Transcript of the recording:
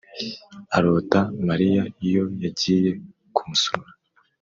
arota mariya iyo yagiye kumusura.